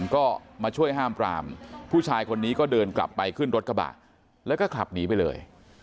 ก็มาช่วยห้ามปรามผู้ชายคนนี้ก็เดินกลับไปขึ้นรถกระบะแล้วก็ขับหนีไปเลย